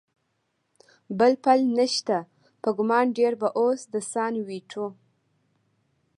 بل پل نشته، په ګمان ډېر به اوس د سان وېټو.